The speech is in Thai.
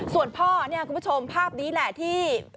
ส่วนพ่อเนี่ยคุณผู้ชมภาพนี้แหละที่